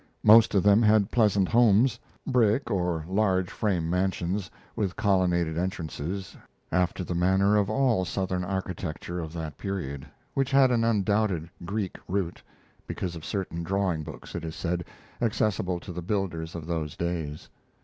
Most of them had pleasant homes brick or large frame mansions, with colonnaded entrances, after the manner of all Southern architecture of that period, which had an undoubted Greek root, because of certain drawing books, it is said, accessible to the builders of those days.